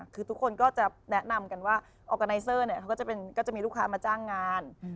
คือทุกคนก็จะแนะนำกันว่าออร์กาไนเซอร์เนี่ยเขาก็จะมีลูกค้ามาจ้างงาน